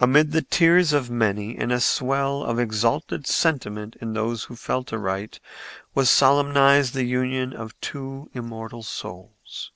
Amid the tears of many and a swell of exalted sentiment in those who felt aright was solemnized the union of two immortal souls.